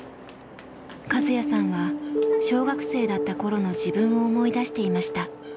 カズヤさんは小学生だった頃の自分を思い出していました。